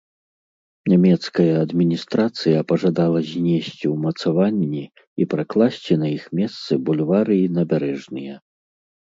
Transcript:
Нямецкая адміністрацыя пажадала знесці ўмацаванні і пракласці на іх месцы бульвары і набярэжныя.